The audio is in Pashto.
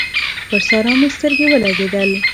پر سارا مې سترګې ولګېدل